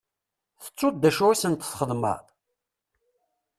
Tettuḍ d acu i sent-txedmeḍ?